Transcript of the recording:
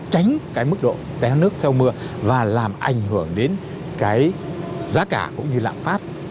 tránh cái mức độ té nước theo mưa và làm ảnh hưởng đến cái giá cả cũng như lạm phát